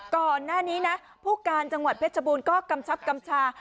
ก่อนหน้านี้นะผู้การจังหวัดเพชรบูรณก็กำชับกำชา